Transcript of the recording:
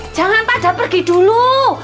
jangan pada pergi dulu